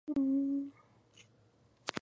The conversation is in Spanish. Fue además Congresal Nacional.